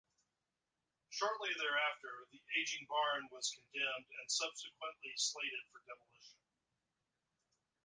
Shortly thereafter, the ageing 'Barn' was condemned, and subsequently slated for demolition.